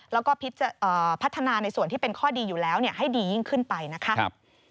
แล้วก็พัฒนาในส่วนที่เป็นข้อดีอยู่แล้วให้ดียิ่งขึ้นไปนะคะ